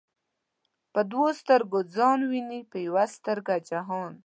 په دوو ستر گو ځان ويني په يوه سترگه جهان